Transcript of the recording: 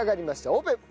オープン！